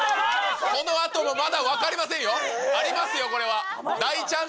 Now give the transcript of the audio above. このあともまだ分かりませんよ、ありますよ、これは。